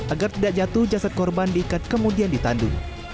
agar tidak jatuh jasad korban diikat kemudian ditandu